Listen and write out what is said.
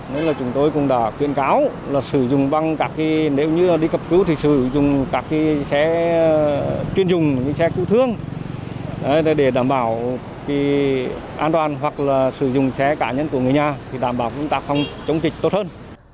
nên chúng tôi cũng đã khuyên cáo sử dụng các xe chuyên dùng xe cụ thương để đảm bảo an toàn hoặc sử dụng xe cá nhân của người nhà đảm bảo công tác phòng dịch tốt hơn